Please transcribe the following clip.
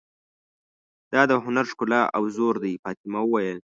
دا د هنر ښکلا او زور دی، فاطمه وویل.